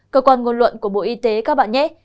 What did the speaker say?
cơ quan ngôn luận của bộ y tế các bạn nhé